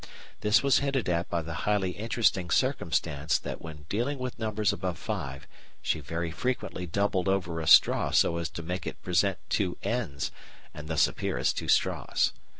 This was hinted at by the highly interesting circumstance that when dealing with numbers above five she very frequently doubled over a straw so as to make it present two ends and thus appear as two straws.